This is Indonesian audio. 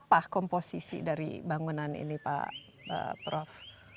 apa komposisi dari bangunan ini pak prof